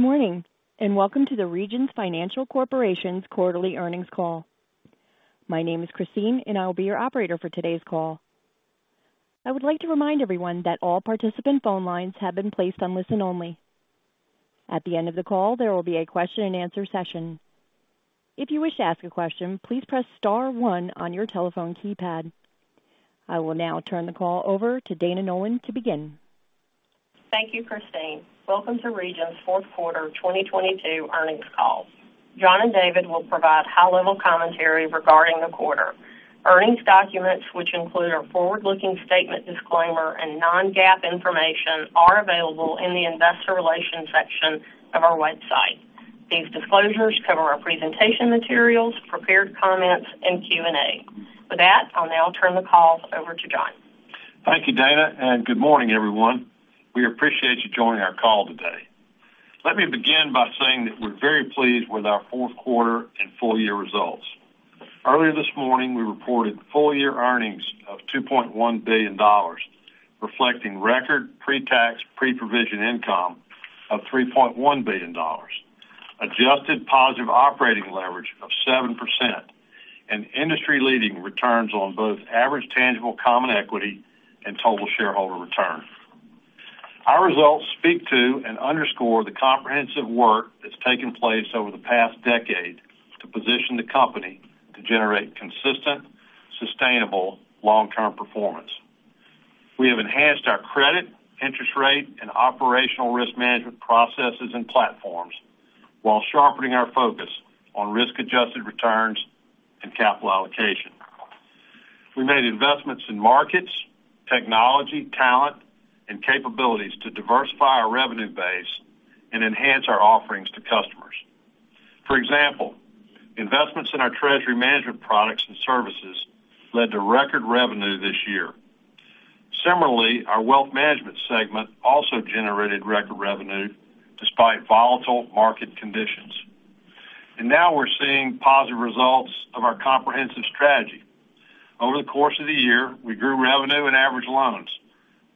Good morning, welcome to the Regions Financial Corporation's quarterly earnings call. My name is Christine, I will be your operator for today's call. I would like to remind everyone that all participant phone lines have been placed on listen only. At the end of the call, there will be a question-and-answer session. If you wish to ask a question, please press star one on your telephone keypad. I will now turn the call over to Dana Nolan to begin. Thank you, Christine. Welcome to Regions fourth 1/4 2022 earnings call. John and David will provide high-level commentary regarding the 1/4. Earnings documents, which include our forward-looking statement disclaimer and non-GAAP information, are available in the investor relations section of our website. These disclosures cover our presentation materials, prepared comments and Q&A. With that, I'll now turn the call over to John. Thank you, Dana. Good morning, everyone. We appreciate you joining our call today. Let me begin by saying that we're very pleased with our fourth 1/4 and full year results. Earlier this morning, we reported full year earnings of $2.1 billion, reflecting record Pre-tax Pre-provision income of $3.1 billion, adjusted positive operating leverage of 7% and industry-leading returns on both average tangible common equity and total shareholder return. Our results speak to and underscore the comprehensive work that's taken place over the past decade to position the company to generate consistent, sustainable long-term performance. We have enhanced our credit, interest rate and operational risk management processes and platforms while sharpening our focus on risk-adjusted returns and capital allocation. We made investments in markets, technology, talent and capabilities to diversify our revenue base and enhance our offerings to customers. For example, investments in our Treasury Management products and services led to record revenue this year. Similarly, our wealth management segment also generated record revenue despite volatile market conditions. Now we're seeing positive results of our comprehensive strategy. Over the course of the year, we grew revenue and average loans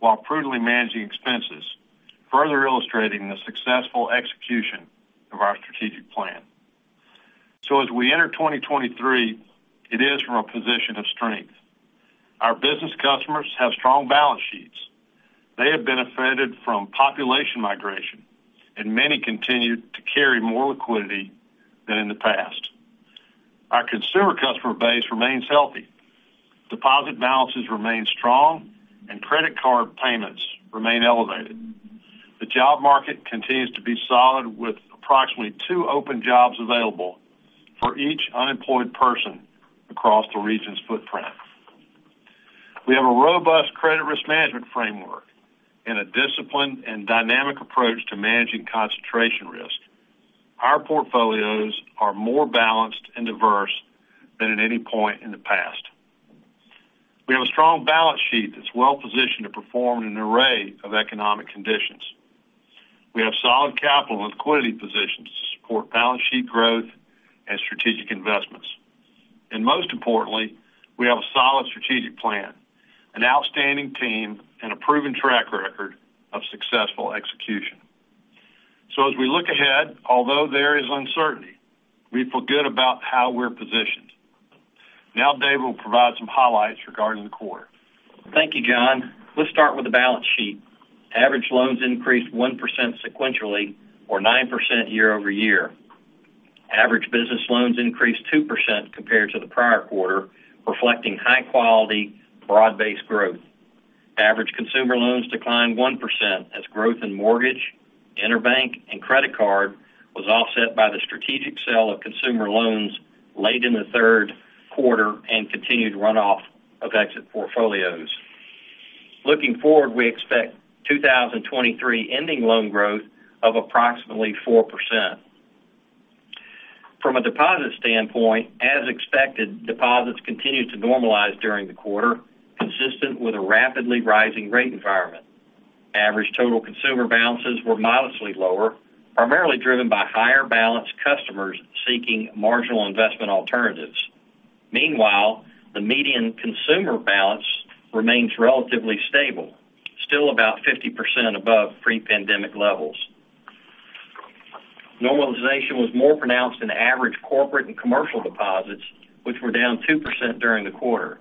while prudently managing expenses, further illustrating the successful execution of our strategic plan. As we enter 2023, it is from a position of strength. Our business customers have strong balance sheets. They have benefited from population migration, and many continue to carry more liquidity than in the past. Our consumer customer base remains healthy. Deposit balances remain strong and credit card payments remain elevated. The job market continues to be solid with approximately 2 open jobs available for each unemployed person across the Regions' footprint. We have a robust credit risk management framework and a disciplined and dynamic approach to managing concentration risk. Our portfolios are more balanced and diverse than at any point in the past. We have a strong balance sheet that's Well-Positioned to perform in an array of economic conditions. We have solid capital and liquidity positions to support balance sheet growth and strategic investments. Most importantly, we have a solid strategic plan, an outstanding team and a proven track record of successful execution. As we look ahead, although there is uncertainty, we feel good about how we're positioned. Now David will provide some highlights regarding the 1/4. Thank you, John. Let's start with the balance sheet. Average loans increased 1% sequentially or 9% year-over-year. Average business loans increased 2% compared to the prior 1/4, reflecting high quality broad-based growth. Average consumer loans declined 1% as growth in mortgage, inerBank and credit card was offset by the strategic sale of consumer loans late in the third 1/4 and continued runoff of exit portfolios. Looking forward, we expect 2023 ending loan growth of approximately 4%. From a deposit standpoint, as expected, deposits continued to normalize during the 1/4, consistent with a rapidly rising rate environment. Average total consumer balances were modestly lower, primarily driven by higher balance customers seeking marginal investment alternatives. Meanwhile, the median consumer balance remains relatively stable, still about 50% above Pre-pandemic levels. Normalization was more pronounced in average corporate and commercial deposits, which were down 2% during the 1/4.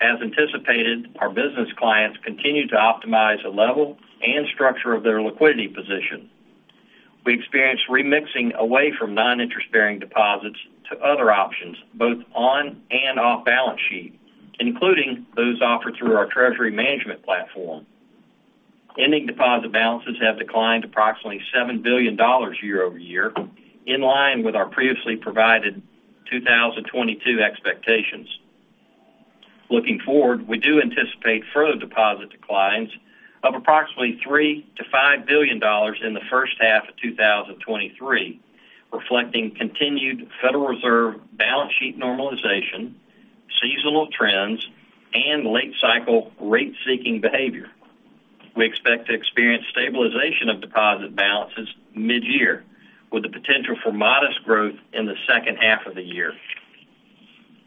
As anticipated, our business clients continued to optimize the level and structure of their liquidity position. We experienced remixing away from non-interest bearing deposits to other options, both on and off balance sheet, including those offered through our Treasury Management platform. Ending deposit balances have declined approximately $7 billion year over year, in line with our previously provided 2022 expectations. Looking forward, we do anticipate further deposit declines of approximately $3 billion-$5 billion in the first 1/2 of 2023, reflecting continued Federal Reserve balance sheet normalization, seasonal trends and late cycle rate-seeking behavior. We expect to experience stabilization of deposit balances mid-year, with the potential for modest growth in the second 1/2 of the year.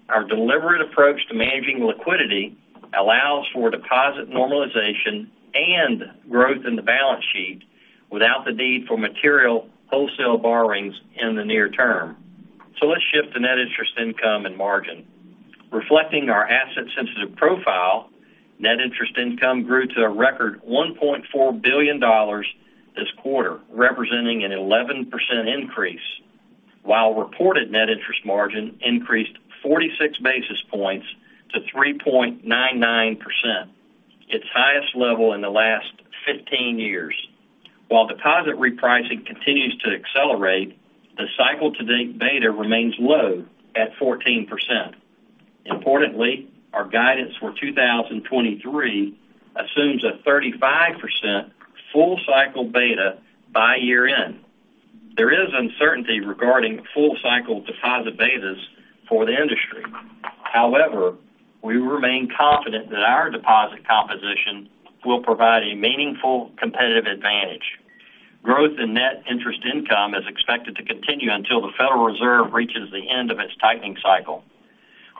Our deliberate approach to managing liquidity allows for deposit normalization and growth in the balance sheet without the need for material wholesale borrowings in the near term. Let's shift to Net Interest Income and margin. Reflecting our asset sensitive profile, Net Interest Income grew to a record $1.4 billion this 1/4, representing an 11% increase, while reported Net Interest Margin increased 46 basis points to 3.99%, its highest level in the last 15 years. While deposit repricing continues to accelerate, the cycle-to-date beta remains low at 14%. Importantly, our guidance for 2023 assumes a 35% full cycle beta by year end. There is uncertainty regarding full cycle deposit betas for the industry. We remain confident that our deposit composition will provide a meaningful competitive advantage. Growth in Net Interest Income is expected to continue until the Federal Reserve reaches the end of its tightening cycle.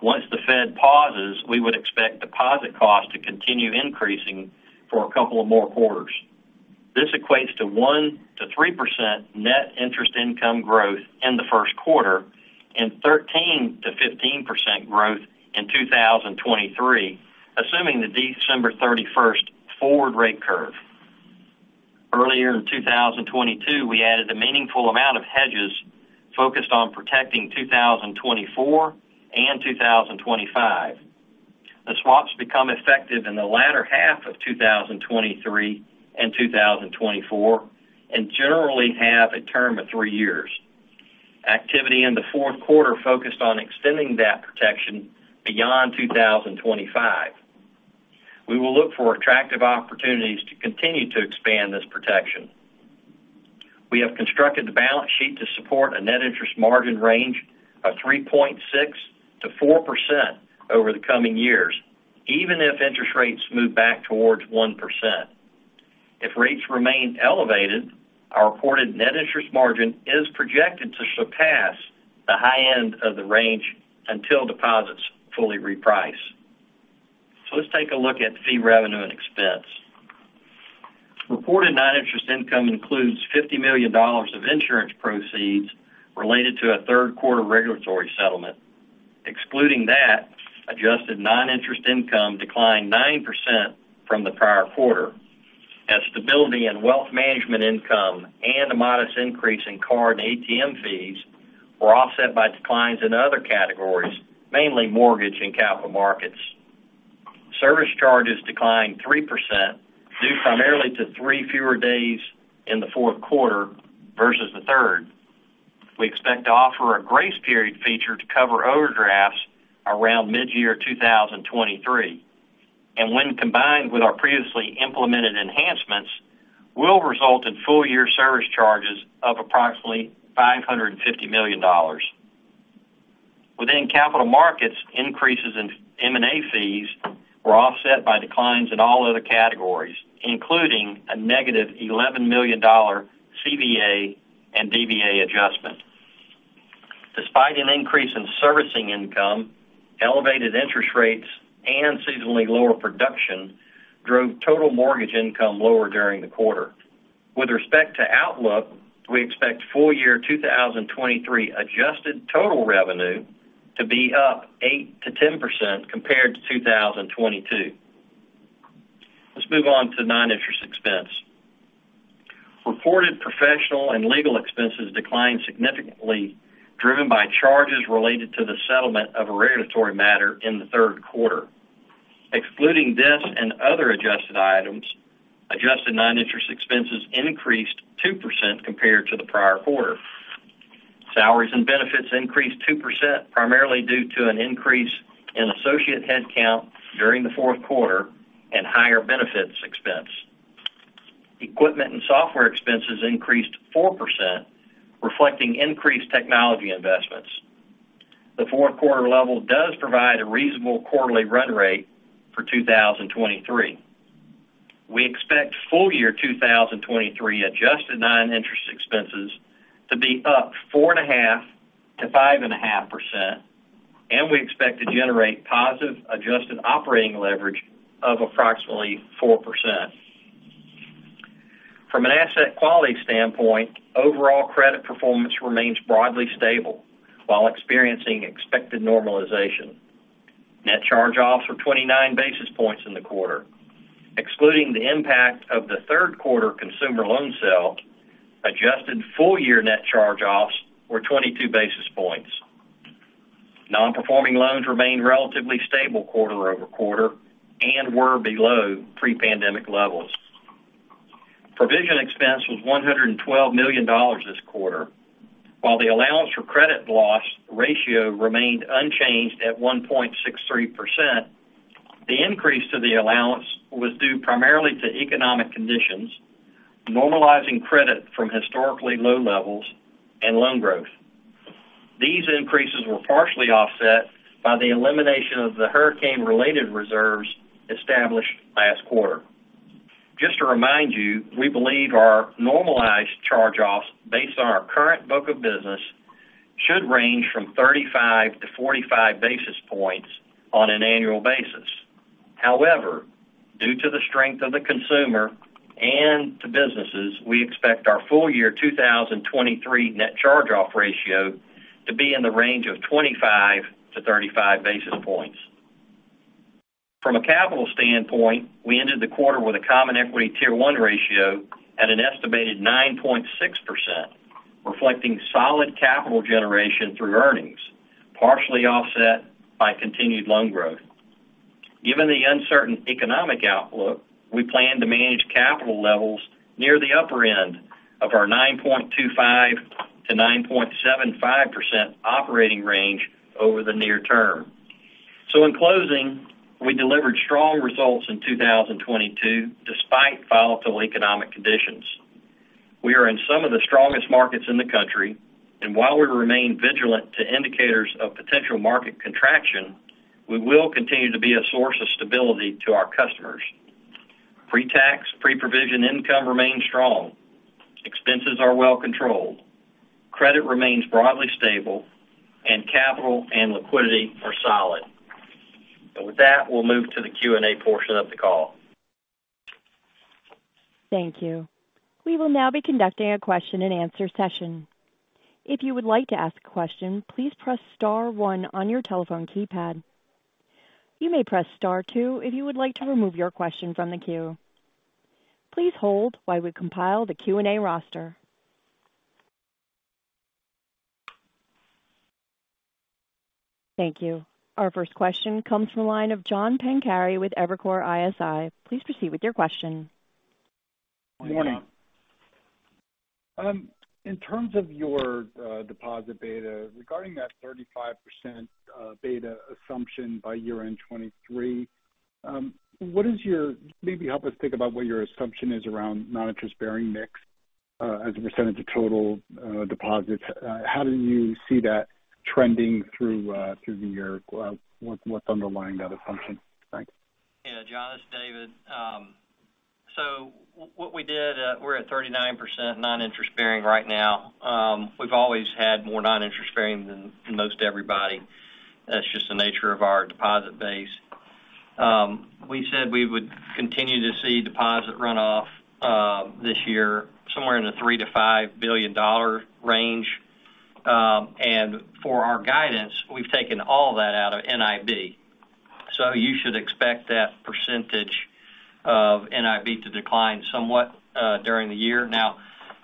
Once the Fed pauses, we would expect deposit costs to continue increasing for a couple of more 1/4s. This equates to 1%-3% Net Interest Income growth in the first 1/4 and 13%-15% growth in 2023, assuming the December 31st forward rate curve. Earlier in 2022, we added a meaningful amount of hedges focused on protecting 2024 and 2025. The swaps become effective in the latter 1/2 of 2023 and 2024 and generally have a term of 3 years. Activity in the 4th 1/4 focused on extending that protection beyond 2025. We will look for attractive opportunities to continue to expand this protection. We have constructed the balance sheet to support a Net Interest Margin range of 3.6%-4% over the coming years, even if interest rates move back towards 1%. If rates remain elevated, our reported Net Interest Margin is projected to surpass the high end of the range until deposits fully reprice. Let's take a look at fee revenue and expense. Reported non-interest income includes $50 million of insurance proceeds related to a 3rd 1/4 regulatory settlement. Excluding that, adjusted non-interest income declined 9% from the prior 1/4 as stability and wealth management income and a modest increase in card and ATM fees were offset by declines in other categories, mainly mortgage and capital markets. Service charges declined 3% due primarily to 3 fewer days in the fourth 1/4 versus the third. We expect to offer a grace period feature to cover overdrafts around mid-year 2023, when combined with our previously implemented enhancements, will result in full-year service charges of approximately $550 million. Within capital markets, increases in M&A fees were offset by declines in all other categories, including a negative $11 million CVA and DVA adjustment. Despite an increase in servicing income, elevated interest rates and seasonally lower production drove total mortgage income lower during the 1/4. With respect to outlook, we expect full year 2023 adjusted total revenue to be up 8%-10% compared to 2022. Let's move on to non-interest expense. Reported professional and legal expenses declined significantly, driven by charges related to the settlement of a regulatory matter in the third 1/4. Excluding this and other adjusted items, adjusted non-interest expenses increased 2% compared to the prior 1/4. Salaries and benefits increased 2%, primarily due to an increase in associate headcount during the fourth 1/4 and higher benefits expense. Equipment and software expenses increased 4%, reflecting increased technology investments. The fourth 1/4 level does provide a reasonable quarterly run rate for 2023. We expect full year 2023 adjusted non-interest expenses to be up 4.5%-5.5%, and we expect to generate positive adjusted operating leverage of approximately 4%. From an asset quality standpoint, overall credit performance remains broadly stable while experiencing expected normalization. Net charge-offs were 29 basis points in the 1/4. Excluding the impact of the third 1/4 consumer loan sale, adjusted full-year net charge-offs were 22 basis points. Non-performing loans remained relatively stable 1/4-over-quarter and were below Pre-pandemic levels. Provision expense was $112 million this 1/4. While the Allowance for Credit Loss ratio remained unchanged at 1.63%, the increase to the Allowance was due primarily to economic conditions, normalizing credit from historically low levels and loan growth. These increases were partially offset by the elimination of the hurricane-related reserves established last 1/4. Just to remind you, we believe our normalized charge-offs based on our current book of business should range from 35-45 basis points on an annual basis. Due to the strength of the consumer and to businesses, we expect our full year 2023 net charge-off ratio to be in the range of 25-35 basis points. From a capital standpoint, we ended the 1/4 with a Common Equity Tier 1 ratio at an estimated 9.6%, reflecting solid capital generation through earnings, partially offset by continued loan growth. Given the uncertain economic outlook, we plan to manage capital levels near the upper end of our 9.25%-9.75% operating range over the near term. In closing, we delivered strong results in 2022 despite volatile economic conditions. We are in some of the strongest markets in the country, while we remain vigilant to indicators of potential market contraction, we will continue to be a source of stability to our customers. Pre-tax Pre-provision income remains strong. Expenses are well controlled. Credit remains broadly stable, and capital and liquidity are solid. With that, we'll move to the Q&A portion of the call. Thank you. We will now be conducting a question-and-answer session. If you would like to ask a question, please press star one on your telephone keypad. You may press star 2 if you would like to remove your question from the queue. Please hold while we compile the Q&A roster. Thank you. Our first question comes from the line of John Pancari with Evercore ISI. Please proceed with your question. Morning. Good morning. In terms of your deposit beta, regarding that 35% beta assumption by year-end 2023, maybe help us think about what your assumption is around non-interest-bearing mix as a percentage of total deposits. How do you see that trending through the year? What's underlying that assumption? Thanks. Yeah, John, this is David. What we did, we're at 39% non-interest-bearing right now. We've always had more non-interest-bearing than most everybody. That's just the nature of our deposit base. We said we would continue to see deposit runoff this year somewhere in the $3 billion-$5 billion range. For our guidance, we've taken all that out of NIB. You should expect that percentage of NIB to decline somewhat during the year. Now,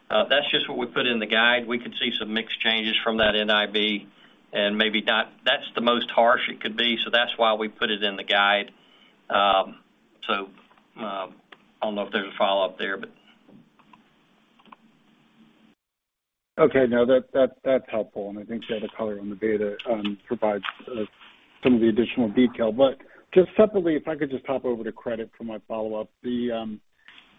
that's just what we put in the guide. We could see some mixed changes from that NIB and maybe not. That's the most harsh it could be, so that's why we put it in the guide. So, I don't know if there's a follow-up there, but... Okay. No, that's helpful, and I think the other color on the beta provides some of the additional detail. Just separately, if I could just hop over to credit for my follow-up. Can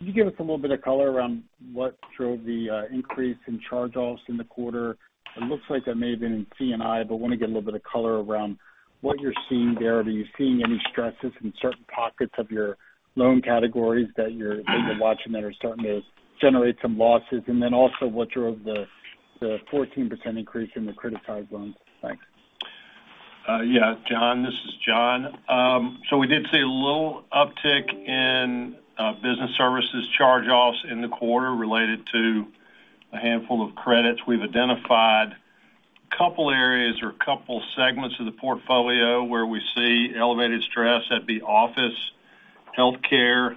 you give us a little bit of color around what drove the increase in charge-offs in the 1/4? It looks like that may have been in C&I, but want to get a little bit of color around what you're seeing there. Are you seeing any stresses in certain pockets of your loan categories that you're watching that are starting to generate some losses? And then also, what drove the 14% increase in the criticized loans? Thanks. Yeah, John, this is John. We did see a little uptick in business services charge-offs in the 1/4 related to a handful of credits. We've identified a couple areas or a couple segments of the portfolio where we see elevated stress at the office, healthcare,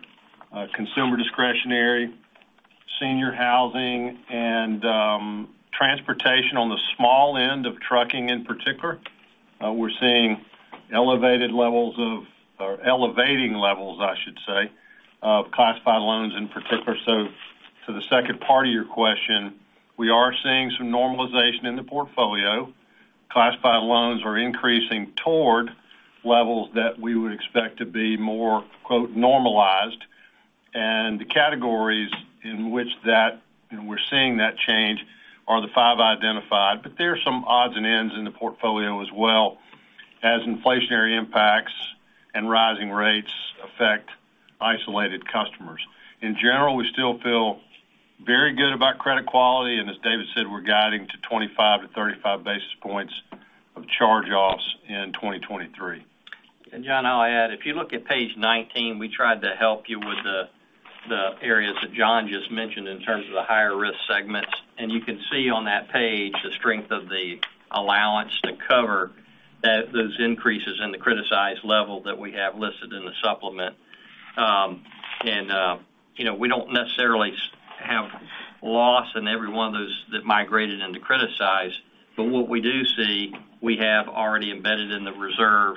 consumer discretionary, senior housing, and transportation on the small end of trucking in particular. We're seeing elevating levels, I should say, of classified loans in particular. To the second part of your question, we are seeing some normalization in the portfolio. Classified loans are increasing toward levels that we would expect to be more, quote, "normalized." The categories in which that, and we're seeing that change, are the 5 identified. There are some odds and ends in the portfolio as well as inflationary impacts and rising rates affect isolated customers. In general, we still feel very good about credit quality, and as Dave said, we're guiding to 25-35 basis points of charge-offs in 2023. John, I'll add, if you look at page 19, we tried to help you with the areas that John just mentioned in terms of the higher risk segments. You can see on that page the strength of the allowance to cover those increases in the criticized level that we have listed in the supplement. You know, we don't necessarily have loss in every one of those that migrated into criticize, but what we do see, we have already embedded in the reserve,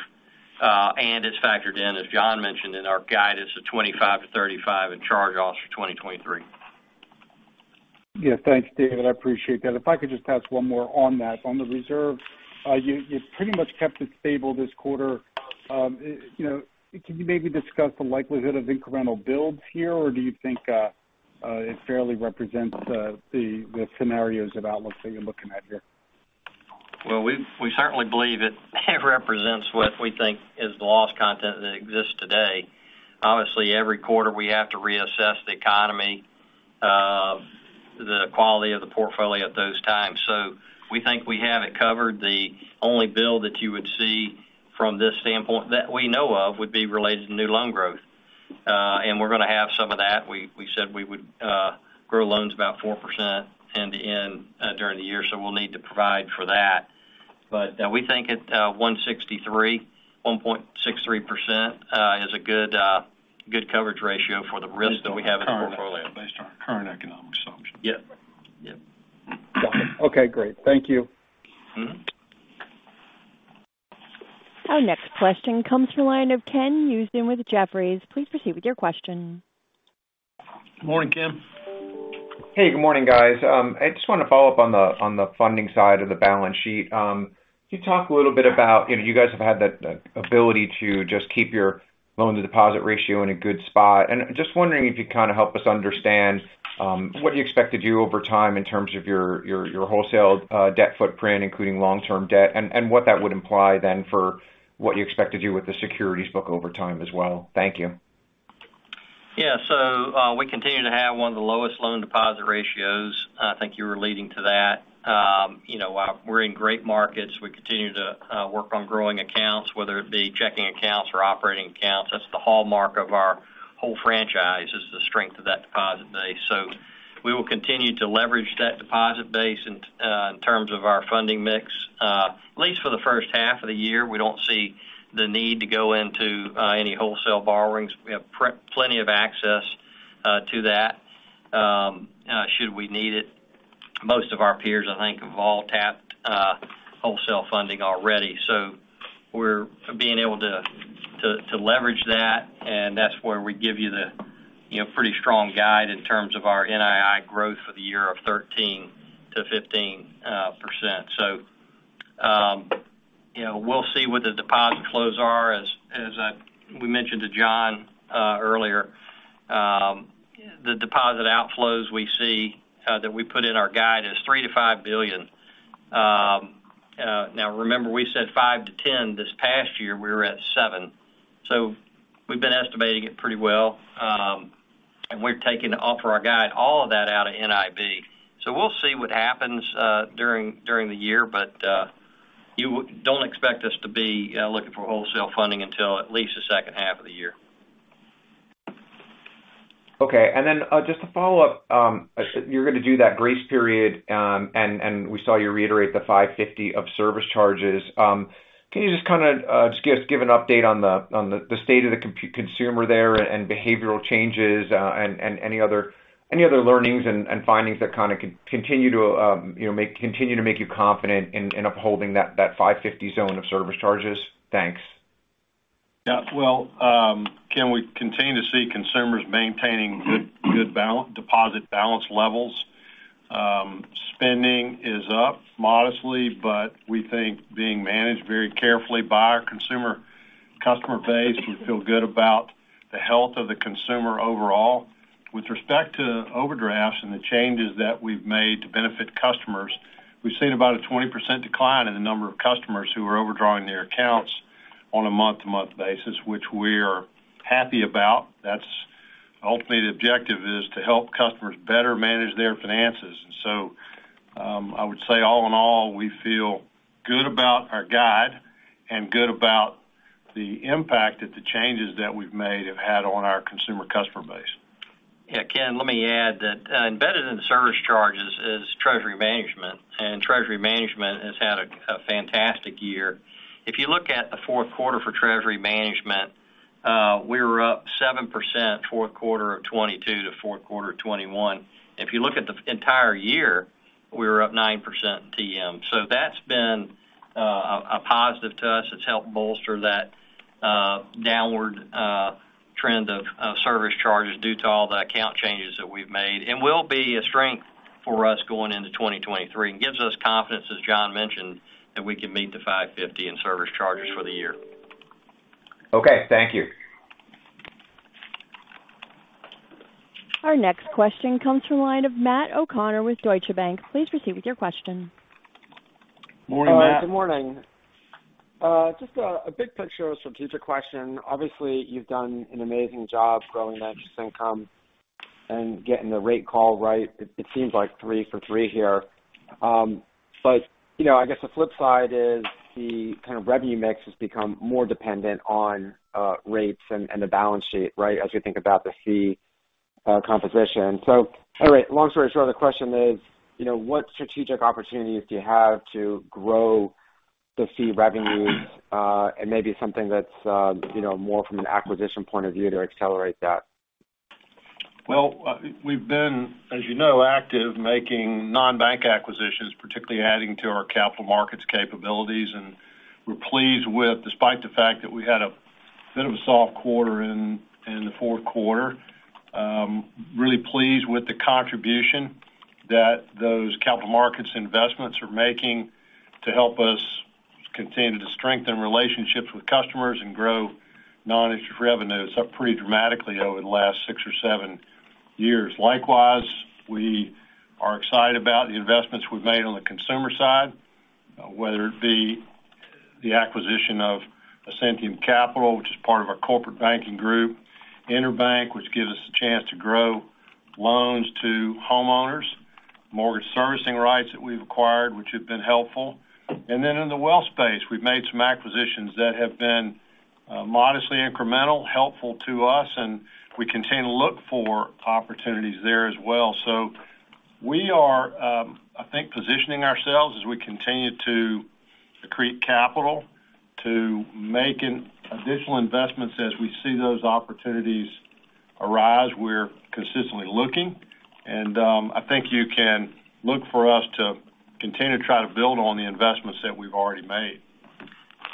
and it's factored in, as John mentioned, in our guidance of 25-35 in charge-offs for 2023. Yeah. Thanks, Dave. I appreciate that. If I could just ask one more on that. On the reserve, you pretty much kept it stable this 1/4. You know, can you maybe discuss the likelihood of incremental builds here, or do you think it fairly represents the scenarios of outlooks that you're looking at here? We certainly believe it represents what we think is the loss content that exists today. Obviously, every 1/4 we have to reassess the economy, the quality of the portfolio at those times. We think we have it covered. The only bill that you would see from this standpoint that we know of would be related to new loan growth. We're gonna have some of that. We said we would grow loans about 4% end to end during the year, we'll need to provide for that. We think at 163, 1.63%, is a good coverage ratio for the risk that we have in the portfolio. Based on our current economic assumptions. Yep. Yep. Got it. Okay, great. Thank you. Mm-hmm. Our next question comes from line of Ken Usdin with Jefferies. Please proceed with your question. Morning, Ken. Hey, good morning, guys. I just wanted to follow up on the, on the funding side of the balance sheet. You talked a little bit about, you know, you guys have had that ability to just keep your loan-to-deposit ratio in a good spot. Just wondering if you'd kinda help us understand what do you expect to do over time in terms of your wholesale debt footprint, including long-term debt, and what that would imply then for what you expect to do with the securities book over time as well. Thank you. Yeah. We continue to have one of the lowest loan deposit ratios. I think you were leading to that. You know, we're in great markets. We continue to work on growing accounts, whether it be checking accounts or operating accounts. That's the hallmark of our whole franchise, is the strength of that deposit base. We will continue to leverage that deposit base in terms of our funding mix. At least for the first 1/2 of the year, we don't see the need to go into any wholesale borrowings. We have plenty of access to that should we need it. Most of our peers, I think, have all tapped wholesale funding already. We're being able to leverage that, and that's where we give you the, you know, pretty strong guide in terms of our NII growth for the year of 13%-15%. We'll see what the deposit flows are. As we mentioned to John earlier, the deposit outflows we see that we put in our guide is $3 billion-$5 billion. Now remember we said $5 billion-$10 billion this past year, we were at $7 billion. We've been estimating it pretty well. And we're taking off for our guide, all of that out of NIB. We'll see what happens during the year, but you don't expect us to be looking for wholesale funding until at least the second 1/2 of the year. Just to follow up, you're gonna do that grace period, and we saw you reiterate the $550 of service charges. Can you just kinda give an update on the state of the consumer there and behavioral changes, and any other learnings and findings that kinda continue to, you know, continue to make you confident in upholding that $550 zone of service charges? Thanks. Yeah. Well, Ken, we continue to see consumers maintaining good deposit balance levels. Spending is up modestly, but we think being managed very carefully by our consumer customer base, we feel good about the health of the consumer overall. With respect to overdrafts and the changes that we've made to benefit customers, we've seen about a 20% decline in the number of customers who are overdrawing their accounts on a month-to-month basis, which we're happy about. That's ultimately the objective is to help customers better manage their finances. I would say all in all, we feel good about our guide and good about the impact that the changes that we've made have had on our consumer customer base. Yeah. Ken, let me add that, embedded in the service charges is Treasury Management, and Treasury Management has had a fantastic year. If you look at the fourth 1/4 for Treasury Management, we were up 7% fourth 1/4 of 2022 to fourth 1/4 of 2021. If you look at the entire year, we were up 9% TM. That's been a positive to us. It's helped bolster that downward trend of service charges due to all the account changes that we've made, and will be a strength for us going into 2023, and gives us confidence, as John mentioned, that we can meet the $550 in service charges for the year. Okay, thank you. Our next question comes from line of Matt O'Connor with Deutsche Bank. Please proceed with your question. Morning, Matt. Good morning. Just a big picture strategic question. Obviously, you've done an amazing job growing the interest income and getting the rate call right. It seems like 3 for 3 here. You know, I guess the flip side is the kind of revenue mix has become more dependent on rates and the balance sheet, right? As you think about the fee composition. Anyway, long story short, the question is, you know, what strategic opportunities do you have to grow the fee revenues and maybe something that's, you know, more from an acquisition point of view to accelerate that? Well, as you know, we've been active making non-bank acquisitions, particularly adding to our capital markets capabilities. We're pleased with, despite the fact that we had a bit of a soft 1/4 in the fourth 1/4, really pleased with the contribution that those capital markets investments are making to help us continue to strengthen relationships with customers and grow non-interest revenues up pretty dramatically over the last 6 or seven years. likewise, we are excited about the investments we've made on the consumer side, whether it be the acquisition of Ascentium Capital, which is part of our corporate banking group, EnerBank USA, which gives us a chance to grow loans to homeowners, mortgage servicing rights that we've acquired, which have been helpful. In the wealth space, we've made some acquisitions that have been modestly incremental, helpful to us, and we continue to look for opportunities there as well. We are, I think, positioning ourselves as we continue to accrete capital to make additional investments as we see those opportunities arise. We're consistently looking, and, I think you can look for us to continue to try to build on the investments that we've already made.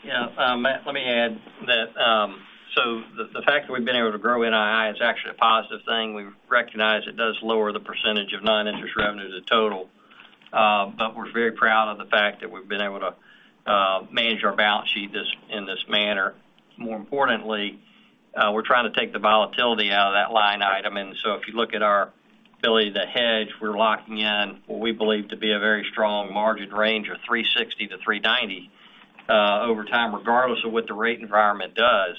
Matt, let me add that. The fact that we've been able to grow NII is actually a positive thing. We recognize it does lower the percentage of non-interest revenue as a total. We're very proud of the fact that we've been able to manage our balance sheet this, in this manner. More importantly, we're trying to take the volatility out of that line item. If you look at our ability to hedge, we're locking in what we believe to be a very strong margin range of 3.60%-3.90% over time, regardless of what the rate environment does.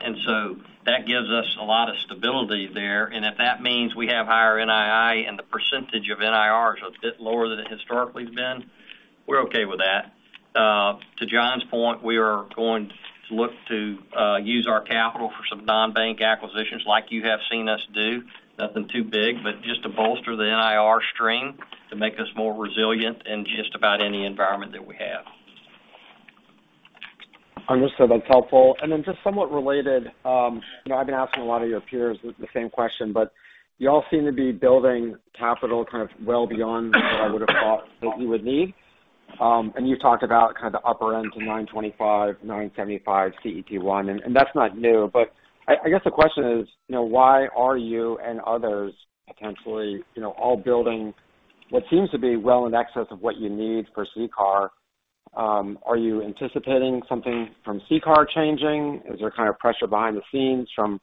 That gives us a lot of stability there. If that means we have higher NII and the percentage of NIR is a bit lower than it historically has been, we're okay with that. To John's point, we are going to look to use our capital for some non-bank acquisitions like you have seen us do. Nothing too big, but just to bolster the NIR stream to make us more resilient in just about any environment that we have. Understood. That's helpful. Just somewhat related, you know, I've been asking a lot of your peers the same question, but y'all seem to be building capital kind of well beyond what I would have thought that you would need. You talked about kind of the upper end to 9.25%, 9.75% CET1, and that's not new. I guess the question is, you know, why are you and others potentially, you know, all building what seems to be well in excess of what you need for CCAR? Are you anticipating something from CCAR changing? Is there kind of pressure behind the scenes from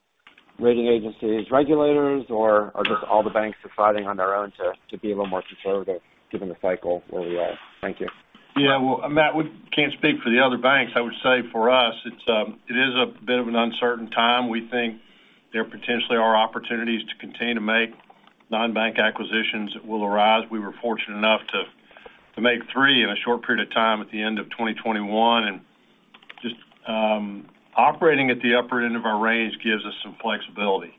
rating agencies, regulators, or are just all the banks deciding on their own to be a little more conservative given the cycle where we are? Thank you. Yeah. Well, Matt, we can't speak for the other banks. I would say for us it's, it is a bit of an uncertain time. We think there potentially are opportunities to continue to make non-bank acquisitions that will arise. We were fortunate enough to make 3 in a short period of time at the end of 2021. Just, operating at the upper end of our range gives us some flexibility,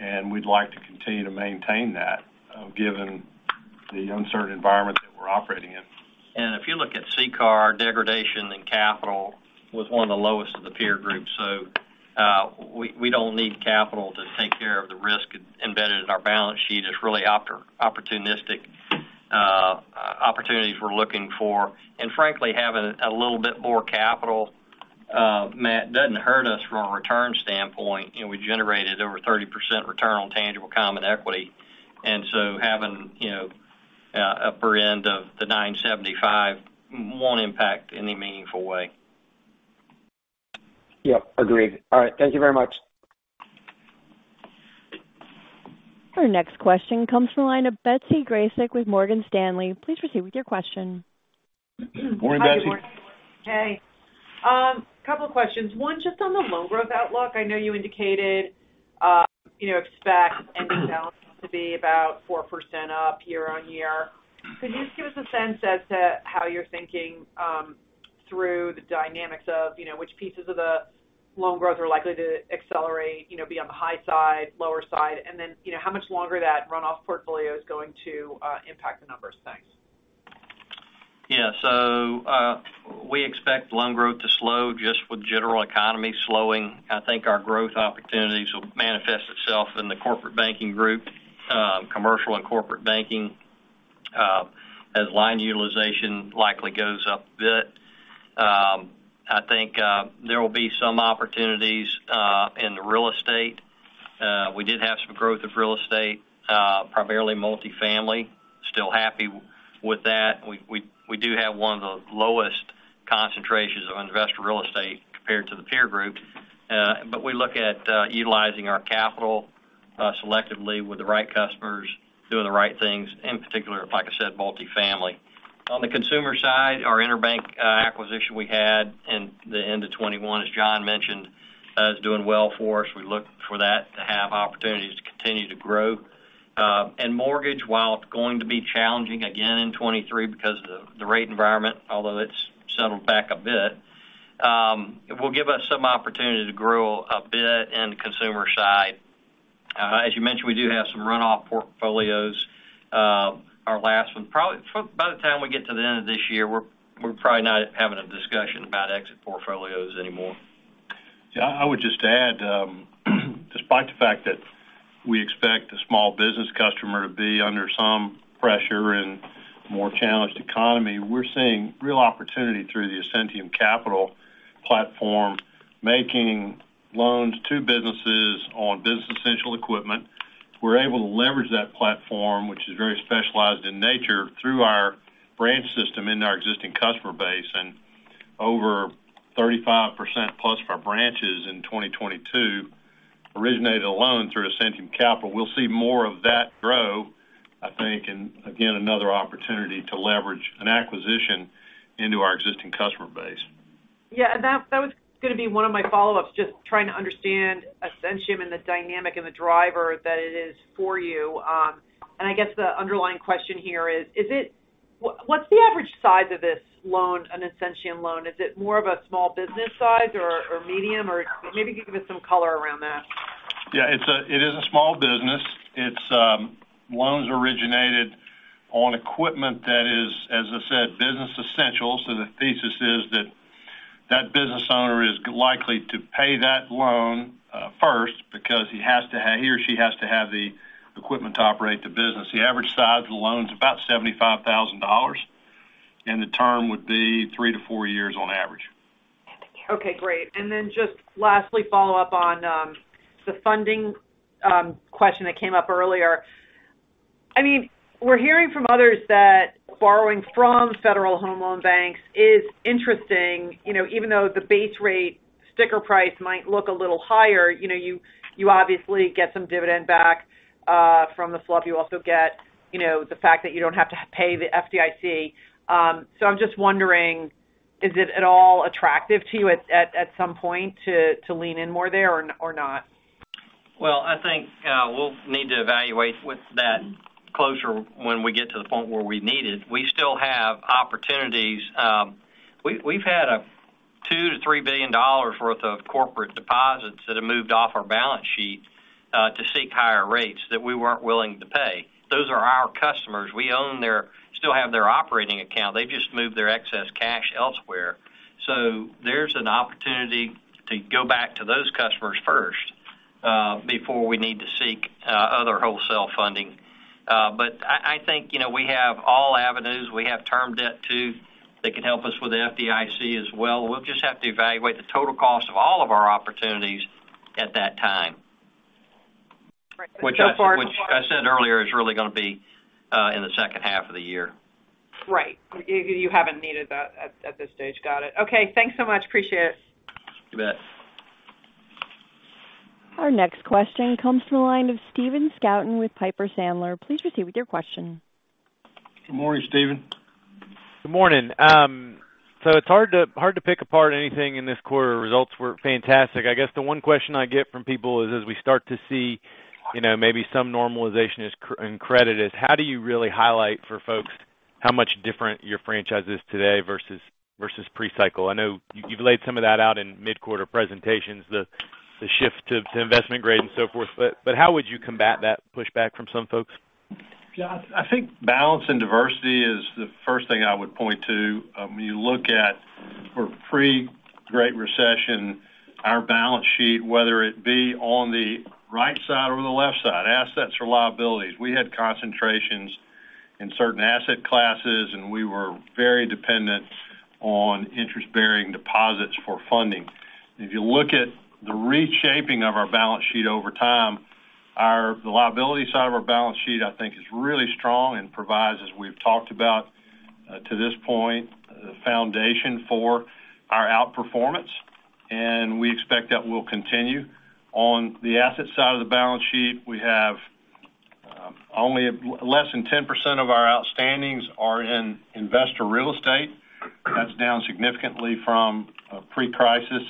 and we'd like to continue to maintain that, given the uncertain environment that we're operating in. If you look at CCAR degradation in capital was one of the lowest of the peer groups. We, we don't need capital to take care of the risk embedded in our balance sheet. It's really opportunistic opportunities we're looking for. Frankly, having a little bit more capital, Matt, doesn't hurt us from a return standpoint. You know, we generated over 30% return on tangible common equity. Having, you know, upper end of the 9.75% won't impact any meaningful way. Yep, agreed. All right. Thank you very much. Our next question comes from the line of Betsy Graseck with Morgan Stanley. Please proceed with your question. Morning, Betsy. Hey. Couple questions. One, just on the loan growth outlook. I know you indicated, you know, expect ending balance to be about 4% up year-on-year. Could you just give us a sense as to how you're thinking, through the dynamics of, you know, which pieces of the loan growth are likely to accelerate, you know, be on the high side, lower side? You know, how much longer that runoff portfolio is going to impact the numbers? Thanks. Yeah. We expect loan growth to slow just with general economy slowing. I think our growth opportunities will manifest itself in the corporate banking group, commercial and corporate banking, as line utilization likely goes up a bit. I think there will be some opportunities in the real estate. We did have some growth of real estate, primarily multifamily. Still happy with that. We do have one of the lowest concentrations of investor real estate compared to the peer group. We look at utilizing our capital selectively with the right customers doing the right things, in particular, like I said, multifamily. On the consumer side, our EnerBank acquisition we had in the end of 21, as John mentioned, is doing well for us. We look for that to have opportunities to continue to grow. Mortgage, while it's going to be challenging again in 2023 because of the rate environment, although it's settled back a bit, it will give us some opportunity to grow a bit in the consumer side. As you mentioned, we do have some runoff portfolios. Our last one, By the time we get to the end of this year, we're probably not having a discussion about exit portfolios anymore. Yeah, I would just add, despite the fact that we expect the small business customer to be under some pressure in a more challenged economy, we're seeing real opportunity through the Ascentium Capital platform, making loans to businesses on business essential equipment. We're able to leverage that platform, which is very specialized in nature, through our branch system in our existing customer base. Over 35%+ of our branches in 2022 originated a loan through Ascentium Capital. We'll see more of that grow, I think, and again, another opportunity to leverage an acquisition into our existing customer base. Yeah, that was going to be one of my follow-ups, just trying to understand Ascentium and the dynamic and the driver that it is for you. I guess the underlying question here is, what's the average size of this loan, an Ascentium loan? Is it more of a small business size or medium? Maybe give us some color around that. It is a small business. It's loans originated on equipment that is, as I said, business essentials. The thesis is that that business owner is likely to pay that loan first because he or she has to have the equipment to operate the business. The average size of the loan is about $75,000, and the term would be 3 to four years on average. Okay, great. Just lastly, follow up on the funding question that came up earlier. I mean, we're hearing from others that borrowing from Federal Home Loan Banks is interesting. You know, you obviously get some dividend back from the FHLB. You also get, you know, the fact that you don't have to pay the FDIC. I'm just wondering, is it at all attractive to you at some point to lean in more there or not? I think we'll need to evaluate with that closer when we get to the point where we need it. We still have opportunities. We, we've had $2 billion-$3 billion worth of corporate deposits that have moved off our balance sheet to seek higher rates that we weren't willing to pay. Those are our customers. We still have their operating account. They've just moved their excess cash elsewhere. There's an opportunity to go back to those customers first before we need to seek other wholesale funding. I think, you know, we have all avenues. We have term debt too that can help us with the FDIC as well. We'll just have to evaluate the total cost of all of our opportunities at that time. far- Which I said earlier, is really gonna be in the second 1/2 of the year. Right. You haven't needed that at this stage. Got it. Okay, thanks so much. Appreciate it. You bet. Our next question comes from the line of Stephen Scouten with Piper Sandler. Please proceed with your question. Good morning, Stephen. Good morning. It's hard to pick apart anything in this 1/4. Results were fantastic. I guess the one question I get from people is, as we start to see, you know, maybe some normalization in credit is how do you really highlight for folks how much different your franchise is today versus Pre-cycle? I know you've laid some of that out in mid-1/4 presentations, the shift to investment grade and so forth. How would you combat that pushback from some folks? Yeah, I think balance and diversity is the first thing I would point to. You look at for Pre-Great Recession, our balance sheet, whether it be on the right side or the left side, assets or liabilities, we had concentrations in certain asset classes, we were very dependent on interest-bearing deposits for funding. If you look at the reshaping of our balance sheet over time, the liability side of our balance sheet, I think, is really strong and provides, as we've talked about, to this point, the foundation for our outperformance, we expect that will continue. On the asset side of the balance sheet, we have only less than 10% of our outstandings are in investor real estate. That's down significantly from Pre-crisis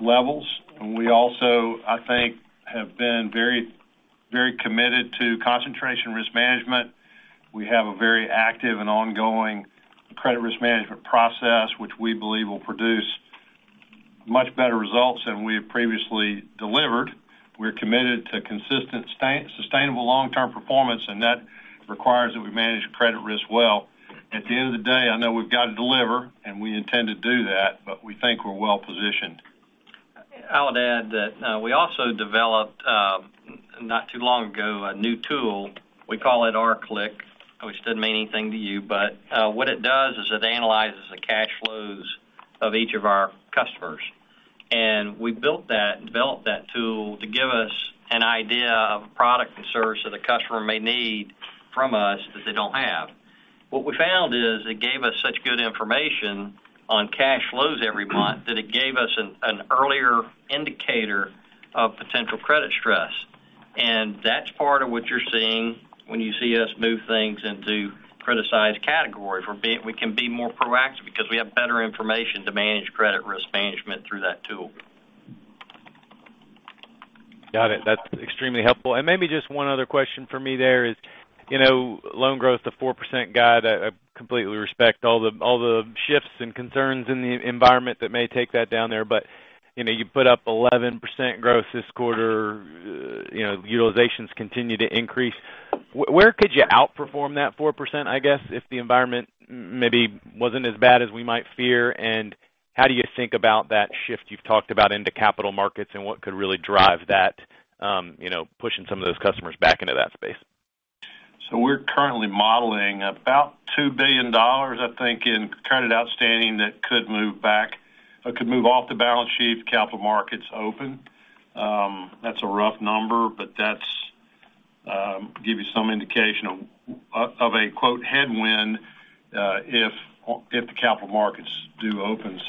levels. We also, I think, have been very committed to concentration risk management. We have a very active and ongoing credit risk management process, which we believe will produce much better results than we have previously delivered. We're committed to consistent sustainable long-term performance, and that requires that we manage credit risk well. At the end of the day, I know we've got to deliver, and we intend to do that, but we think we're well-positioned. I would add that we also developed not too long ago, a new tool. We call it rClick, which doesn't mean anything to you, but what it does is it analyzes the cash flows of each of our customers. We developed that tool to give us an idea of product and service that a customer may need from us that they don't have. What we found is it gave us such good information on cash flows every month that it gave us an earlier indicator of potential credit stress. That's part of what you're seeing when you see us move things into criticized category. We can be more proactive because we have better information to manage credit risk management through that tool. Got it. That's extremely helpful. Maybe just one other question for me there is, you know, loan growth to 4% guide, I completely respect all the shifts and concerns in the environment that may take that down there, but, you know, you put up 11% growth this 1/4, you know, utilizations continue to increase. Where could you outperform that 4%, I guess, if the environment maybe wasn't as bad as we might fear? How do you think about that shift you've talked about into capital markets and what could really drive that, you know, pushing some of those customers back into that space? We're currently modeling about $2 billion, I think, in credit outstanding that could move off the balance sheet if capital markets open. That's a rough number, but that's, give you some indication of a quote, headwind if the capital markets do open.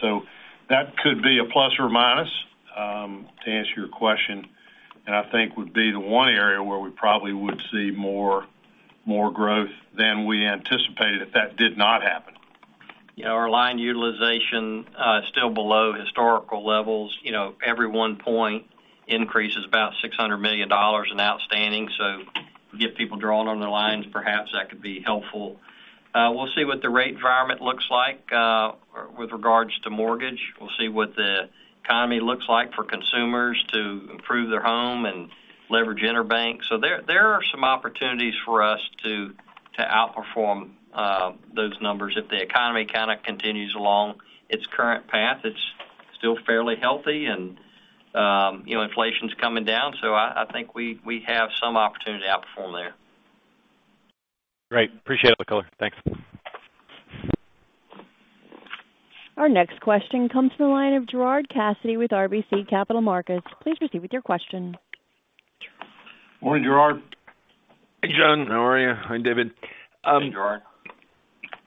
That could be a plus or minus to answer your question, and I think would be the one area where we probably would see more growth than we anticipated if that did not happen. Our line utilization is still below historical levels. You know, every 1 point increase is about $600 million in outstanding. Get people drawing on their lines, perhaps that could be helpful. We'll see what the rate environment looks like with regards to mortgage. We'll see what the economy looks like for consumers to improve their home and leverage interbank. There are some opportunities for us to outperform those numbers. If the economy kind of continues along its current path, it's still fairly healthy and, you know, inflation's coming down. I think we have some opportunity to outperform there. Great. Appreciate it, uncertain. Thanks. Our next question comes from the line of Gerard Cassidy with RBC Capital Markets. Please proceed with your question. Morning, Gerard. Hey, John. How are you? Hi, David. Hey, Gerard.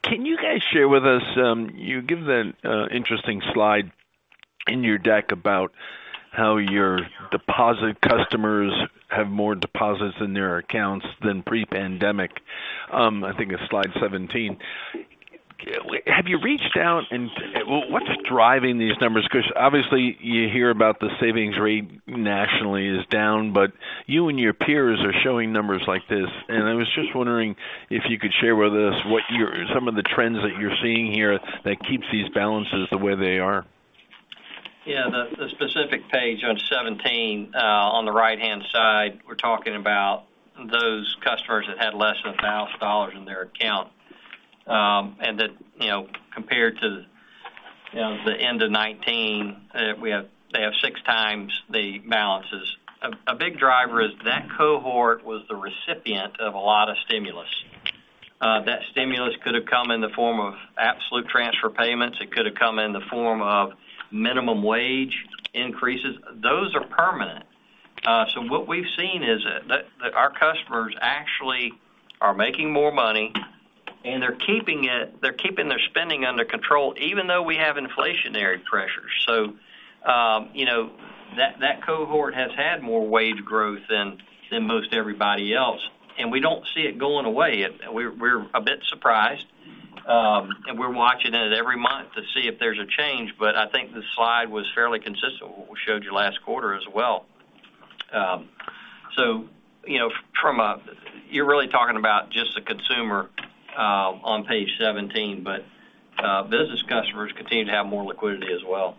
Can you guys share with us, you give an interesting slide in your deck about how your deposit customers have more deposits in their accounts than Pre-pandemic? I think it's slide 17. Have you reached out, what's driving these numbers? Because obviously you hear about the savings rate nationally is down, but you and your peers are showing numbers like this. I was just wondering if you could share with us some of the trends that you're seeing here that keeps these balances the way they are. Yeah. The specific page on 17, on the right-hand side, we're talking about those customers that had less than $1,000 in their account. That, you know, compared to, you know, the end of 2019, they have 6 times the balances. A big driver is that cohort was the recipient of a lot of stimulus. That stimulus could have come in the form of absolute transfer payments. It could have come in the form of minimum wage increases. Those are permanent. What we've seen is that our customers actually are making more money, and they're keeping their spending under control even though we have inflationary pressures. You know, that cohort has had more wage growth than most everybody else, and we don't see it going away. We're a bit surprised, we're watching it every month to see if there's a change. I think the slide was fairly consistent with what we showed you last 1/4 as well. you know, you're really talking about just the consumer on page 17, business customers continue to have more liquidity as well.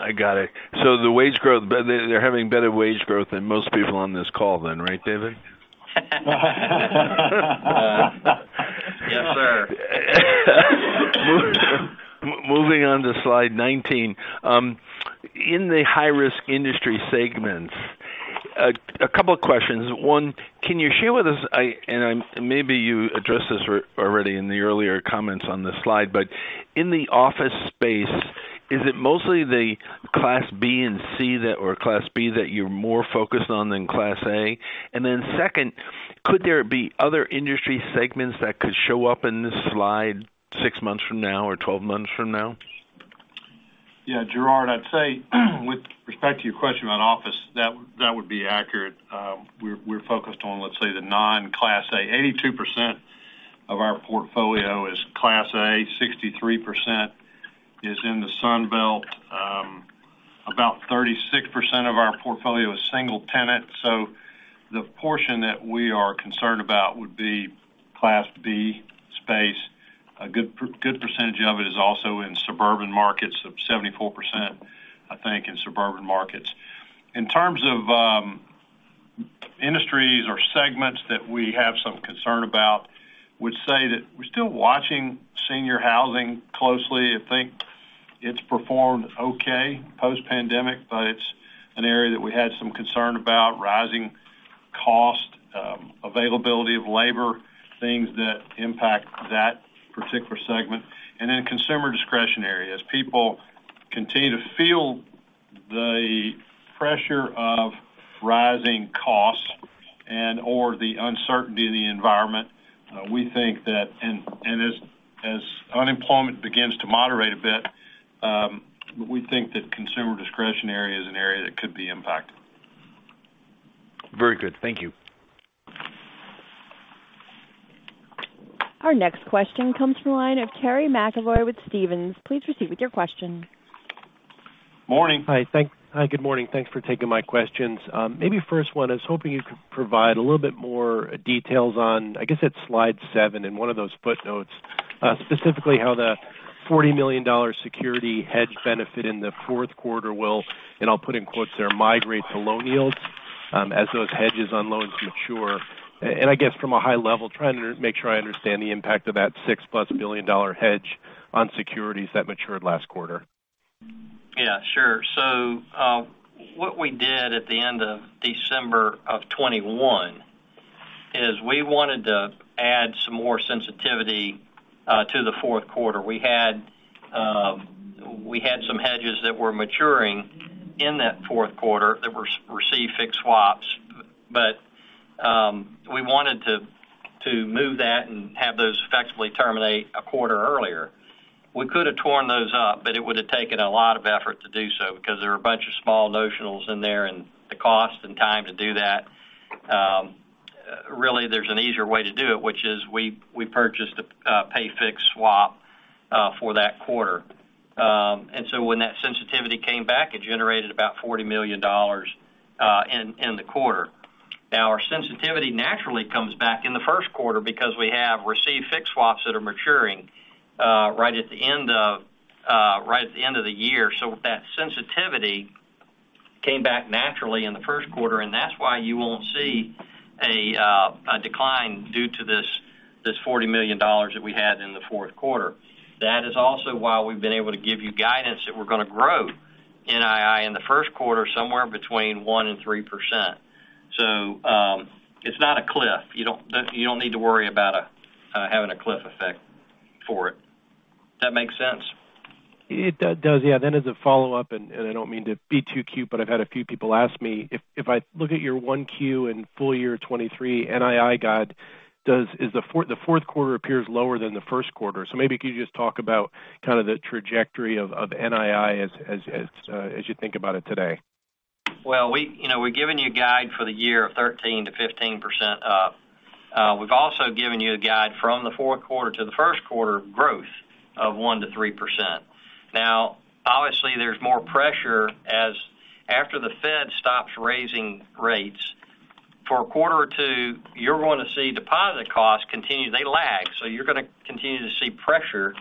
I got it. They're having better wage growth than most people on this call then, right, David? Yes, sir. Moving on to slide 19. In the high-risk industry segments, a couple of questions. One, can you share with us maybe you addressed this already in the earlier comments on this slide. In the office space, is it mostly the class B and C or class B that you're more focused on than class A? Second, could there be other industry segments that could show up in this slide 6 months from now or 12 months from now? Yeah, Gerard, I'd say with respect to your question about office, that would be accurate. We're focused on, let's say, the non-Class A. 82% of our portfolio is Class A. 63% is in the Sun Belt. About 36% of our portfolio is single tenant. The portion that we are concerned about would be Class B space. A good percentage of it is also in suburban markets, of 74%, I think, in suburban markets. In terms of industries or segments that we have some concern about, would say that we're still watching senior housing closely. I think it's performed okay post-pandemic, but it's an area that we had some concern about rising cost, availability of labor, things that impact that particular segment. Then consumer discretionary. As people continue to feel the pressure of rising costs and/or the uncertainty of the environment, and as unemployment begins to moderate a bit, we think that consumer discretionary is an area that could be impacted. Very good. Thank you. Our next question comes from the line of Terry McEvoy with Stephens. Please proceed with your question. Morning. Hi. Hi, good morning. Thanks for taking my questions. Maybe first one, I was hoping you could provide a little bit more details on, I guess, it's slide seven in one of those footnotes, specifically how the $40 million security hedge benefit in the fourth 1/4 will, and I'll put in quotes there, migrate to loan yields, as those hedges on loans mature. I guess from a high level, trying to make sure I understand the impact of that $6+ billion hedge on securities that matured last 1/4. Yeah, sure. what we did at the end of December of 2021 is we wanted to add some more sensitivity to the fourth 1/4. We had some hedges that were maturing in that fourth 1/4 that receive-fixed swaps, but we wanted to move that and have those effectively terminate a 1/4 earlier. We could have torn those up, but it would have taken a lot of effort to do so because there were a bunch of small notionals in there, and the cost and time to do that, really, there's an easier way to do it, which is we purchased a pay-fixed swap for that 1/4. When that sensitivity came back, it generated about $40 million in the 1/4. Our sensitivity naturally comes back in the first 1/4 because we have receive-fixed swaps that are maturing, right at the end of, right at the end of the year. That sensitivity came back naturally in the first 1/4, and that's why you won't see a decline due to this $40 million that we had in the fourth 1/4. That is also why we've been able to give you guidance that we're gonna grow NII in the first 1/4 somewhere between 1% and 3%. It's not a cliff. You don't need to worry about, having a cliff effect for it. That make sense? It does, yeah. As a Follow-Up, and I don't mean to be too cute, but I've had a few people ask me, if I look at your 1Q and full year 2023 NII guide, is the fourth 1/4 appears lower than the first 1/4. Maybe could you just talk about kind of the trajectory of NII as you think about it today? Well, we, you know, we've given you a guide for the year of 13%-15% up. We've also given you a guide from the fourth 1/4 to the first 1/4 growth of 1%-3%. Obviously, there's more pressure as after the Fed stops raising rates. For a 1/4 or 2, you're going to see deposit costs continue. They lag, you're gonna continue to see pressure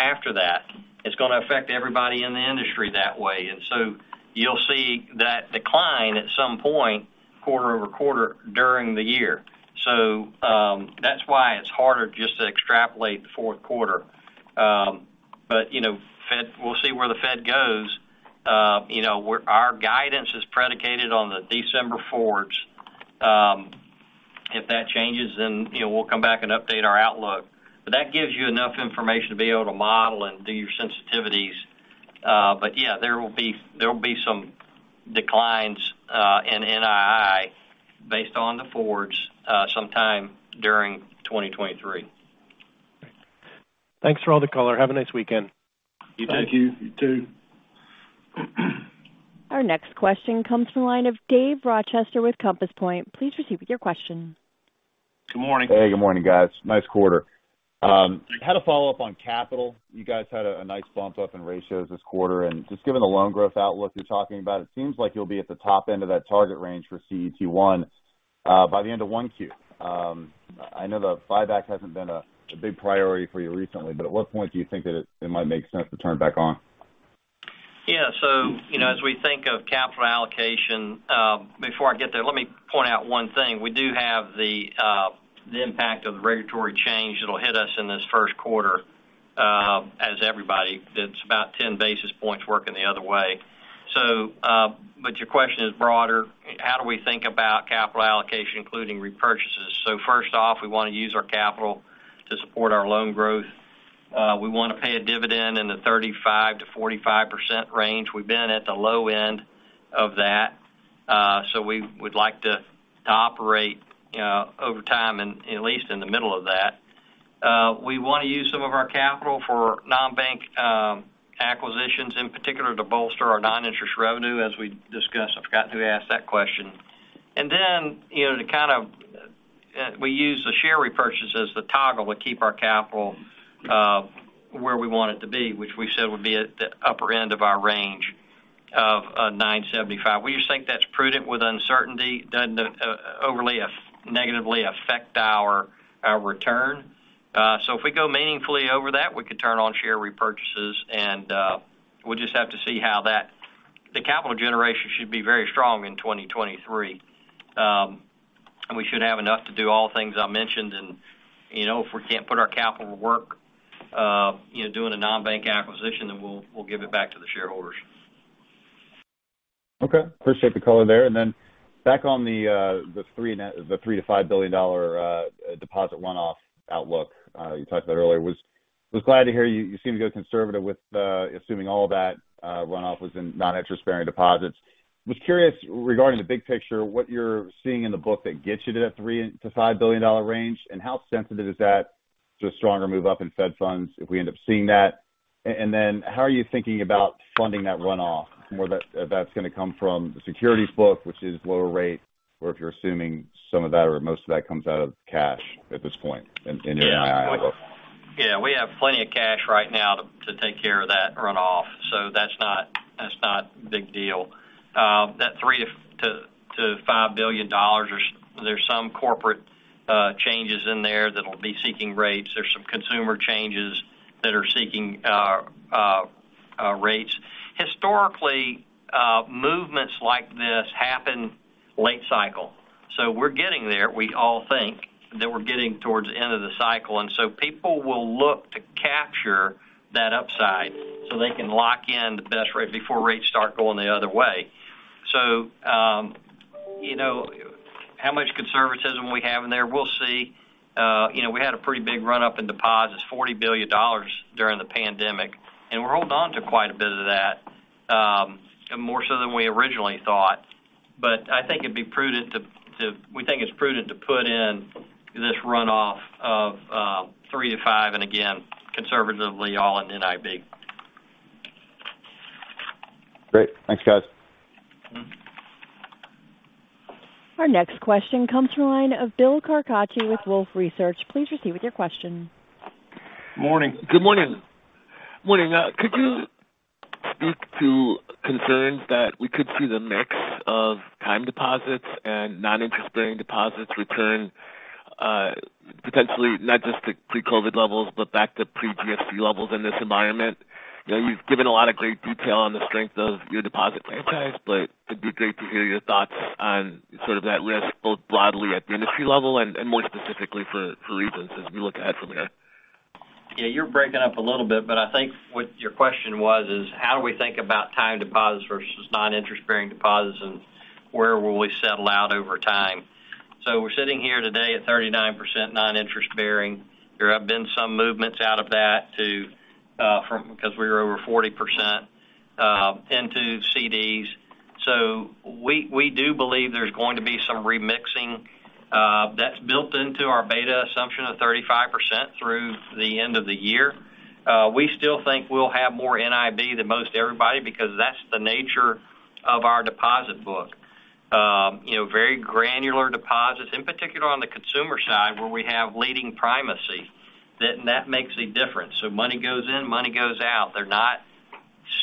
after that. It's gonna affect everybody in the industry that way. You'll see that decline at some point, 1/4-over-quarter, during the year. That's why it's harder just to extrapolate the fourth 1/4. But, you know, we'll see where the Fed goes. You know, our guidance is predicated on the December forwards. If that changes, then, you know, we'll come back and update our outlook. That gives you enough information to be able to model and do your sensitivities. Yeah, there will be some declines in NII based on the forwards, sometime during 2023. Thanks for all the color. Have a nice weekend. You too. Thank you. You too. Our next question comes from the line of Dave Rochester with Compass Point. Please proceed with your question. Good morning. Hey, good morning, guys. Nice 1/4. Had a Follow-Up on capital. You guys had a nice bump up in ratios this 1/4, just given the loan growth outlook you're talking about, it seems like you'll be at the top end of that target range for CET1 by the end of 1Q. I know the buyback hasn't been a big priority for you recently. At what point do you think that it might make sense to turn it back on? You know, as we think of capital allocation, before I get there, let me point out one thing. We do have the impact of the regulatory change that'll hit us in this first 1/4, as everybody. That's about 10 basis points working the other way. Your question is broader. How do we think about capital allocation, including repurchases? First off, we wanna use our capital to support our loan growth. We wanna pay a dividend in the 35%-45% range. We've been at the low end of that, we would like to operate over time, and at least in the middle of that. We wanna use some of our capital for non-bank acquisitions, in particular to bolster our non-interest revenue as we discussed. I forgot who asked that question. You know, we use the share repurchases to toggle to keep our capital where we want it to be, which we said would be at the upper end of our range of 9.75%. We just think that's prudent with uncertainty. Doesn't overly negatively affect our return. If we go meaningfully over that, we could turn on share repurchases, we'll just have to see. The capital generation should be very strong in 2023. We should have enough to do all things I mentioned. You know, if we can't put our capital to work, you know, doing a non-bank acquisition, then we'll give it back to the shareholders. Okay. Appreciate the color there. Back on the $3 billion-$5 billion deposit runoff outlook you talked about earlier. Was glad to hear you seem to go conservative with assuming all that runoff was in non-interest bearing deposits. Was curious regarding the big picture, what you're seeing in the book that gets you to that $3 billion-$5 billion range, and how sensitive is that to a stronger move up in Fed funds if we end up seeing that? Then how are you thinking about funding that runoff? Where if that's gonna come from the securities book, which is lower rate, or if you're assuming some of that or most of that comes out of cash at this point in your NII outlook? Yeah, we have plenty of cash right now to take care of that runoff, that's not big deal. That $3 billion-$5 billion, there's some corporate changes in there that'll be seeking rates. There's some consumer changes that are seeking rates. Historically, movements like this. Late cycle. We're getting there. We all think that we're getting towards the end of the cycle, people will look to capture that upside so they can lock in the best rate before rates start going the other way. You know, how much conservatism we have in there? We'll see. You know, we had a pretty big run-up in deposits, $40 billion during the pandemic, and we're holding on to quite a bit of that, more so than we originally thought. We think it's prudent to put in this runoff of 3 to 5, and again, conservatively all in NIB. Great. Thanks, guys. Our next question comes from the line of Bill Carcache with Wolfe Research. Please proceed with your question. Morning. Good morning. Morning. Could you speak to concerns that we could see the mix of time deposits and non-interest-bearing deposits return, potentially not just to Pre-COVID levels, but back to Pre-GFC levels in this environment? You know, you've given a lot of great detail on the strength of your deposit franchise, but it'd be great to hear your thoughts on sort of that risk, both broadly at the industry level and more specifically for Regions as we look ahead from here. Yeah, you're breaking up a little bit, but I think what your question was is how do we think about time deposits versus non-interest-bearing deposits and where will we settle out over time. We're sitting here today at 39% non-interest-bearing. There have been some movements out of that to, because we were over 40%, into CDs. We do believe there's going to be some remixing, that's built into our beta assumption of 35% through the end of the year. We still think we'll have more NIB than most everybody because that's the nature of our deposit book. you know, very granular deposits, in particular on the consumer side, where we have leading primacy. That makes a difference. Money goes in, money goes out. They're not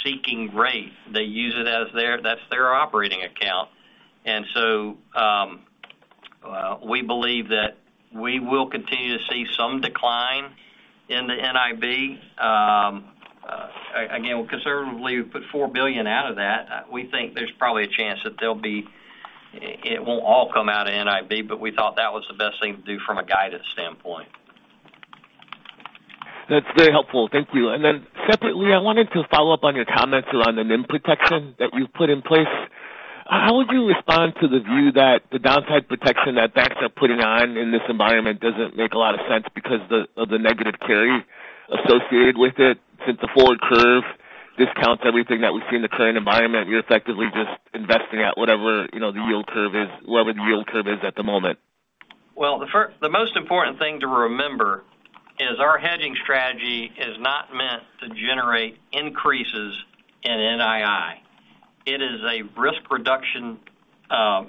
seeking rate. They use it as that's their operating account. We believe that we will continue to see some decline in the NIB. Again, conservatively, we put $4 billion out of that. We think there's probably a chance that there'll be. It won't all come out of NIB, but we thought that was the best thing to do from a guidance standpoint. That's very helpful. Thank you. Then separately, I wanted to follow up on your comments around the NIM protection that you've put in place. How would you respond to the view that the downside protection that banks are putting on in this environment doesn't make a lot of sense because of the negative carry associated with it? Since the forward curve discounts everything that we see in the current environment, you're effectively just investing at whatever, you know, the yield curve is, wherever the yield curve is at the moment. The most important thing to remember is our hedging strategy is not meant to generate increases in NII. It is a risk reduction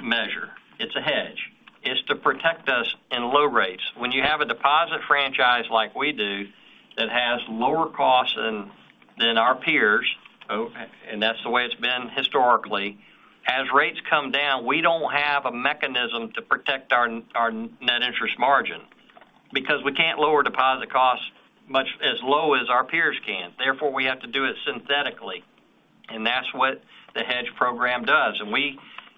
measure. It's a hedge. It's to protect us in low rates. When you have a deposit franchise like we do that has lower costs than our peers, and that's the way it's been historically, as rates come down, we don't have a mechanism to protect our Net Interest Margin because we can't lower deposit costs much as low as our peers can. Therefore, we have to do it synthetically, and that's what the hedge program does.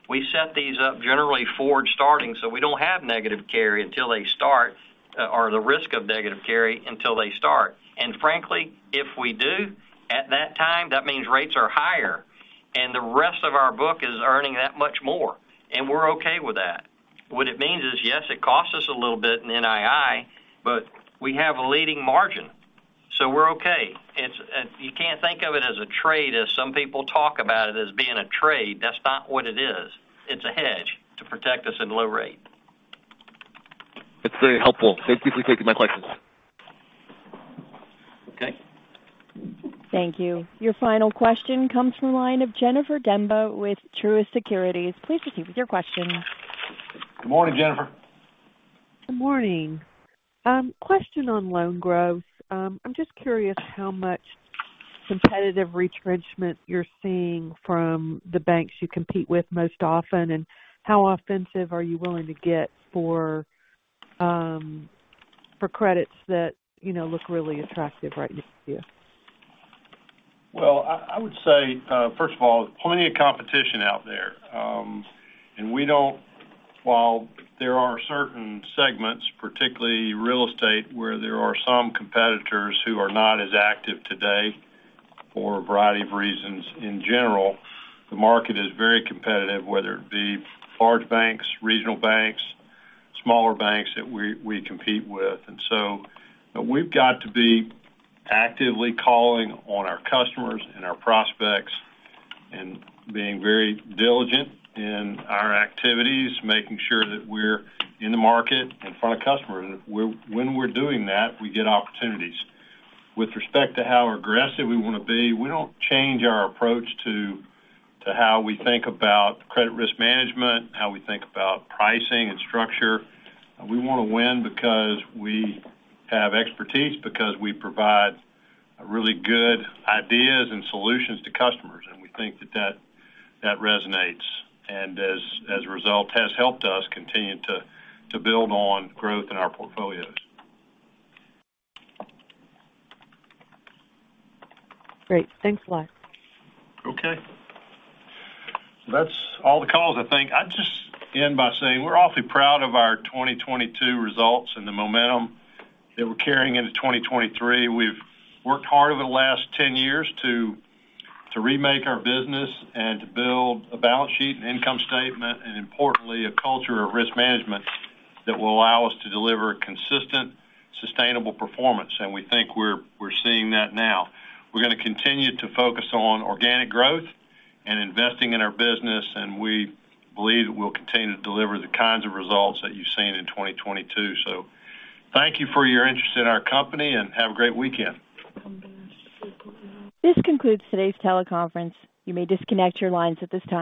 We set these up generally forward starting, so we don't have negative carry until they start, or the risk of negative carry until they start. Frankly, if we do at that time, that means rates are higher and the rest of our book is earning that much more, and we're okay with that. What it means is, yes, it costs us a little bit in NII, but we have a leading margin, so we're okay. You can't think of it as a trade, as some people talk about it as being a trade. That's not what it is. It's a hedge to protect us in low rate. That's very helpful. Thank you for taking my questions. Okay. Thank you. Your final question comes from the line of Jennifer Demba with Truist Securities. Please proceed with your question. Good morning, Jennifer. Good morning. Question on loan growth. I'm just curious how much competitive retrenchment you're seeing from the banks you compete with most often, and how offensive are you willing to get for credits that, you know, look really attractive right here? I would say, first of all, plenty of competition out there. While there are certain segments, particularly real estate, where there are some competitors who are not as active today for a variety of reasons. In general, the market is very competitive, whether it be large banks, regional banks, smaller banks that we compete with. We've got to be actively calling on our customers and our prospects and being very diligent in our activities, making sure that we're in the market in front of customers. When we're doing that, we get opportunities. With respect to how aggressive we wanna be, we don't change our approach to how we think about credit risk management, how we think about pricing and structure. We wanna win because we have expertise, because we provide really good ideas and solutions to customers. We think that resonates, as a result, has helped us continue to build on growth in our portfolios. Great. Thanks a lot. That's all the calls, I think. I'd just end by saying we're awfully proud of our 2022 results and the momentum that we're carrying into 2023. We've worked hard over the last 10 years to remake our business and to build a balance sheet, an income statement, and importantly, a culture of risk management that will allow us to deliver consistent, sustainable performance, and we think we're seeing that now. We're gonna continue to focus on organic growth and investing in our business, and we believe that we'll continue to deliver the kinds of results that you've seen in 2022. Thank you for your interest in our company, and have a great weekend. This concludes today's teleconference. You may disconnect your lines at this time.